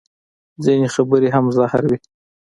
ځینې خبرې هم زهر وي